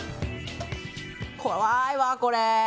怖いわ、これ！